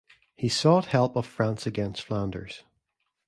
He sought help of France against Flanders.